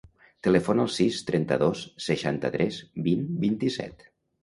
Telefona al sis, trenta-dos, seixanta-tres, vint, vint-i-set.